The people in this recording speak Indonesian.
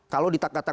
kalau di tak katakan